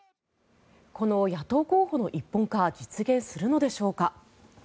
この野党候補の一本化は実現するのでしょうか。